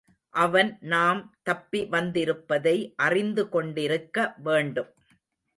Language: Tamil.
அவன் நாம் தப்பி வந்திருப்பதை அறிந்துகொண்டிருக்க வேண்டும்.